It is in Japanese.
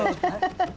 ハハハハ。